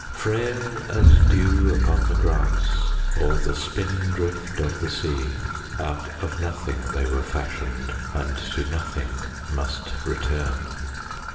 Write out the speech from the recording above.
Frail as dew upon the grass Or the spindrift of the sea, Out of nothing they were fashioned And to nothing must return.